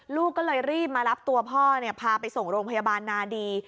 ลูกก็เลยรีบมารับตัวพ่อพาไปส่งโรงพยาบาลนาดี